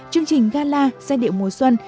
chương trình gala giai điệu mùa xuân